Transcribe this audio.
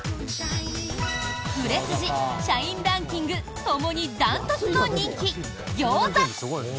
売れ筋、社員ランキングともに断トツの人気、ギョーザ。